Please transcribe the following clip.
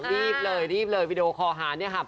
รีบเลยรีบเลยวิดีโอคอหาเนี่ยค่ะ